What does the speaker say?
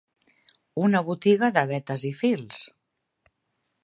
Una botiga de betes i fils